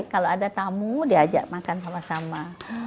kalau ada tamu dia ajak makan sama sama